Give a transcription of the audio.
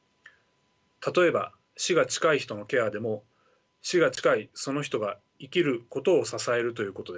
例えば死が近い人のケアでも死が近いその人が生きることを支えるということです。